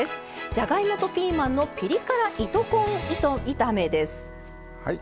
じゃがいもとピーマンのピリ辛糸こん炒めです。